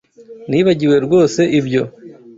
Nibagiwe rwose ibyo.